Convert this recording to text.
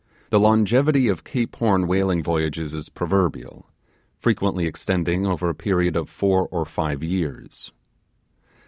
The longevity of Cape Horn whaling voyages is proverbial, frequently extending over a period of four or five years.